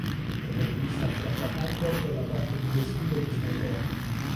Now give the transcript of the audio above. Il protagonista affronta Hunter e la batte in due sfide di snowboard.